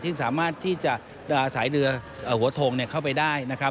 ที่สามารถที่จะสายเรือหัวโทงเดียวเข้าไปได้